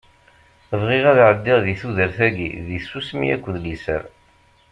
Bɣiɣ ad ɛeddiɣ di tudert-agi di tsusmi akked liser.